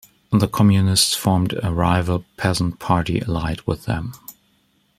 The communists formed a rival peasant party allied with them.